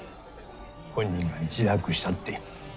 本人が自白したって。